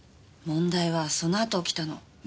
問題はその後起きたの。